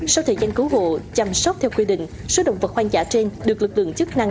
sau thời gian cứu hộ chăm sóc theo quy định số động vật hoang dã trên được lực lượng chức năng